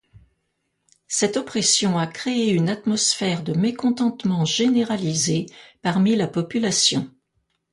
Cette oppression a créé une atmosphère de mécontentement généralisé parmi la population.